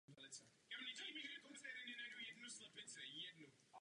Za nedlouho byl však pořad pro nízkou sledovanost stažen z vysílání.